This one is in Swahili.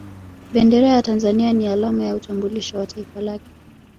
Bendera ya Tanzania ni alama ya utambulisho wa Taifa lake